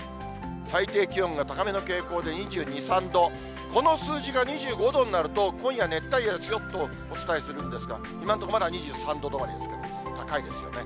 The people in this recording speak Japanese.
最低気温が高めの傾向で２２、３度、この数字が２５度になると、今夜、熱帯夜ですよとちょっとお伝えするんですが、今のところ、まだ２３度止まりですね、高いですよね。